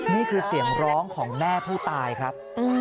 นี่คือเสียงร้องของแม่ผู้ตายครับ